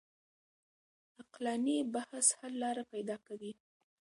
عقلاني بحث حل لاره پيدا کوي.